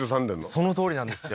そのとおりなんですよ